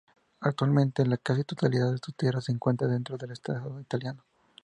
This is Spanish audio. Actualmente la casi totalidad de estas tierras se encuentra dentro del estado italiano.